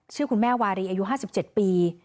ชื่อคุณแม่วารีอายุ๕๗ปี